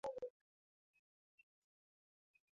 এটা হবে মসজিদের ইজ্জত-সম্মান ও পবিত্রতা রক্ষার উদ্দেশ্যে।